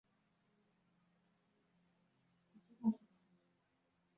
白纹歧脊沫蝉为尖胸沫蝉科歧脊沫蝉属下的一个种。